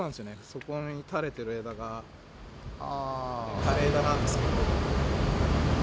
そこに垂れてる枝が、枯れ枝なんですけど。